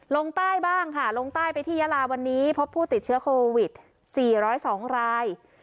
ลงใต้บ้างค่ะลงใต้ไปที่ยาลาวันนี้เพราะผู้ติดเชื้อโควิดสี่ร้อยสองราย